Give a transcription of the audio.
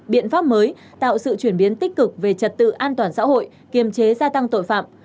biện pháp mới tạo sự chuyển biến tích cực về trật tự an toàn xã hội kiềm chế gia tăng tội phạm